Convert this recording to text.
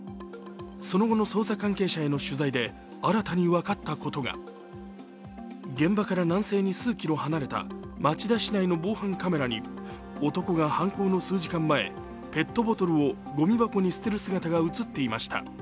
その後の捜査関係者への取材で新たに分かったことが現場から南西に数キロ離れた町田市内の防犯カメラに男が犯行の数時間前、ペットボトルをごみ箱に捨てる姿が映っていました。